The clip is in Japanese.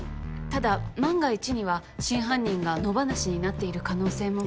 ただ万が一には真犯人が野放しになっている可能性も。